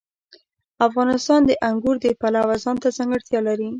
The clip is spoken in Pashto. افغانستان د انګور د پلوه ځانته ځانګړتیا لري.